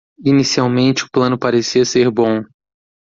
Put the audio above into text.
Inicialmente o plano parecia ser bom.